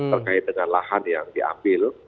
terkait dengan lahan yang diambil